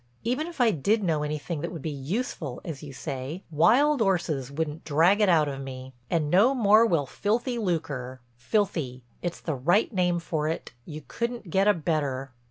Even if I did know anything that would be 'useful' as you say, wild 'orses wouldn't drag it out of me. And no more will filthy lucre. Filthy—it's the right name for it, you couldn't get a better."